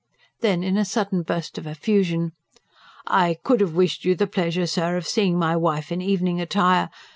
Then, in a sudden burst of effusion: "I could have wished you the pleasure, sir, of seeing my wife in evening attire.